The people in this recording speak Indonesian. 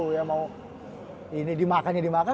ya mau ini dimakannya dimakan